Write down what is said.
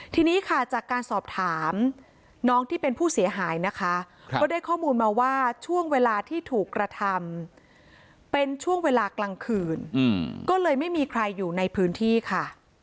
ทีนี้ค่ะจากการสอบถามน้องที่เป็นผู้เสียหายนะคะก็ได้ข้อมูลมาว่าช่วงเวลาที่ถูกกระทำเป็นช่วงเวลากลางคืนก็เลยไม่มีใครอยู่ในพื้นที่ค่ะ